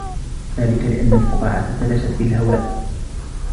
ذلك لأن الفقاعة تلاشت في الهواء.